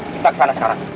kita kesana sekarang